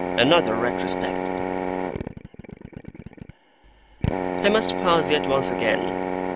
ANOTHER RETROSPECT I must pause yet once again.